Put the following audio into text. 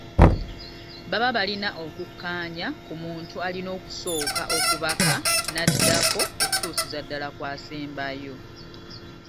Baba balina okukkaanya ku muntu alina okusooka okubaka n’addako okutuusiza ddala ku asembayo.